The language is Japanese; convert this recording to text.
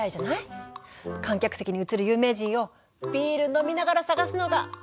観客席に映る有名人をビール飲みながら探すのが好きなんだよねぇ！